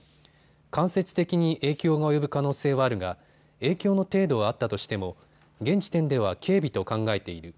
間接的に影響が及ぶ可能性はあるが影響の程度はあったとしても現時点では軽微と考えている。